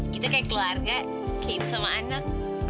kita kayak keluarga kayak ibu sama anak